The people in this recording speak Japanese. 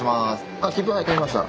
あっ切符は買いました。